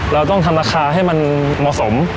เราต้องทำราคาให้มันเหมาะสม